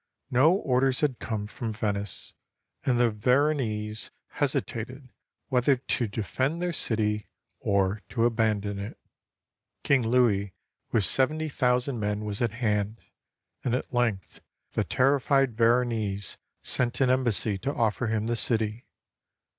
No orders had come from Venice, and the Veron ese hesitated whether to defend their city or to abandon it. King Louis with seventy thousand men was at hand; and at length the terrified Veronese sent an embassy to offer him the city.